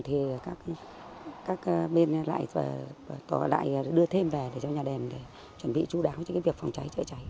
thì các bên lại đưa thêm về cho nhà đền chuẩn bị chú đáo cho việc phòng cháy chữa cháy